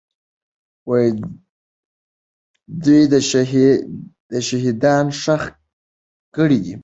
دوی شهیدان ښخ کړي دي.